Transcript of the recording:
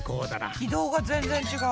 軌道が全然違う。